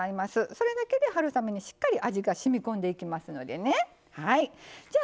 それだけで春雨にしっかり味がしみこんでいきますのでね。